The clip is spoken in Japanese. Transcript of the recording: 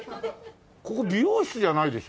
ここ美容室じゃないでしょ？